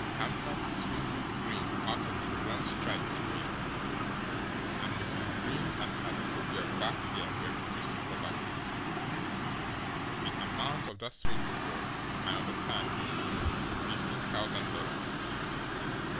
"Hamvert swindled Breen out of the one strike he made, and Mrs. Breen and her little girl back here were reduced to poverty. The amount of that swindle was, I understand, fifteen thousand dollars.